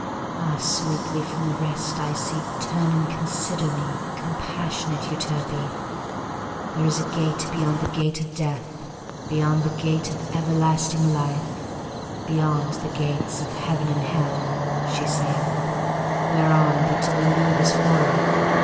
(Ah, sweetly from the rest I see Turn and consider me Compassionate Euterpe!) "There is a gate beyond the gate of Death, Beyond the gate of everlasting Life, Beyond the gates of Heaven and Hell," she saith, "Whereon but to believe is horror!